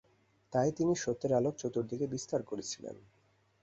তাই তিনি সত্যের আলোক চতুর্দিকে বিস্তার করেছিলেন।